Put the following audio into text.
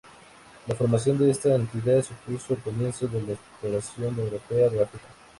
La formación de esta entidad supuso el comienzo de la exploración europea de África.